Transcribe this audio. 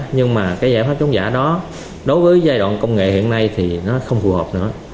nhưng mà cái giải pháp chống giả đó đối với giai đoạn công nghệ hiện nay thì nó không phù hợp nữa